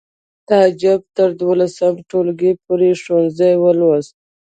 تعجب تر دولسم ټولګي پورې ښوونځی ولوست